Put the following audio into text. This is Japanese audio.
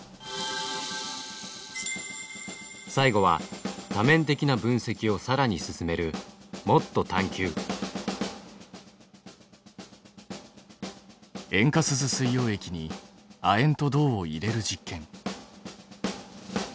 最後は多面的な分析をさらに進める塩化スズ水溶液に亜鉛と銅を入れる実験。